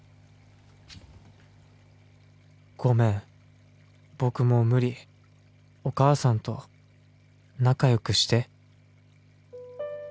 「ごめん僕もう無理」「お母さんと仲良くして」